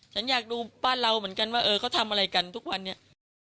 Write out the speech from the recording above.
ฉันอยากดูบ้านเราเหมือนกันว่าเออเขาทำอะไรกันทุกวันนี้